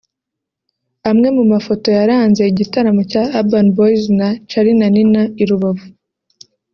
Amwe mu mafoto yaranze igitaramo cya Urban Boys na Charly na Nina i Rubavu